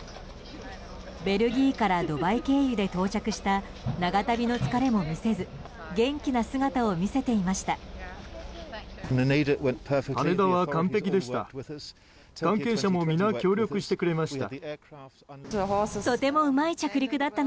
ベルギーからドバイ経由で到着した長旅の疲れも見せず元気な姿を見せていました。